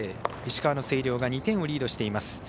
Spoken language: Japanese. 石川、星稜が２点をリードしています。